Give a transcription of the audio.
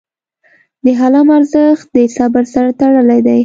د حلم ارزښت د صبر سره تړلی دی.